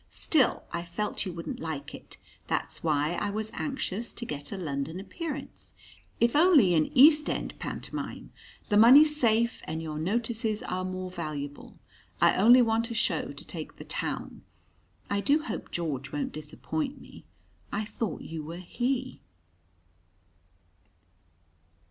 Still, I felt you wouldn't like it. That's why I was anxious to get a London appearance if only in East end pantomime. The money's safe, and your notices are more valuable. I only want a show to take the town. I do hope George won't disappoint me. I thought you were he."